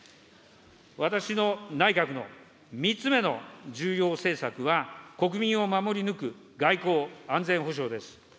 私の内閣の３つ目の重要政策は、国民を守り抜く外交、安全保障です。